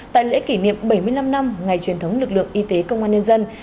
tại lễ kỷ niệm bảy mươi năm năm ngày truyền thống lực lượng y tế công an nhân dân